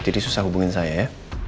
jadi susah hubungin saya ya